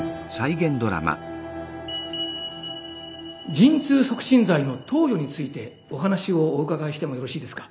陣痛促進剤の投与についてお話をお伺いしてもよろしいですか？